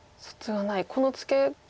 このツケも。